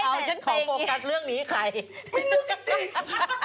เอ้าฉันขอฟโพกัสเรื่องนี้ไหม